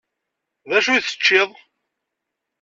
Dacu i teččiḍ?